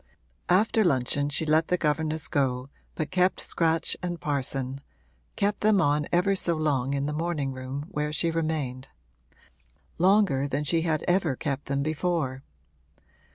After luncheon she let the governess go but kept Scratch and Parson kept them on ever so long in the morning room where she remained; longer than she had ever kept them before.